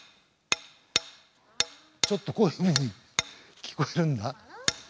ちょっとこういうふうに聞こえるんだ。